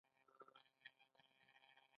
د کانونو غیرقانوني کیندنه غلا ده.